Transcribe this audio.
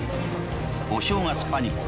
「お正月パニック！